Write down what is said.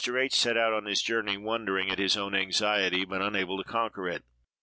H—— set out on his journey, wondering at his own anxiety, but unable to conquer it.